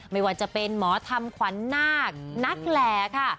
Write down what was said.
ไม่ว่าจะเป็นหมอธรรมขวัญนาคนักแหล่ค่ะ